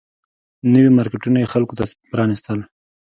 نوي مارکیټونه یې خلکو ته پرانيستل